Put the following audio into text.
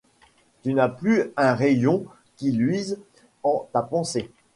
Tu n’as plus un rayon qui luise en ta pensée.